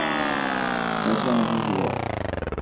ایسا نہیں ہوا۔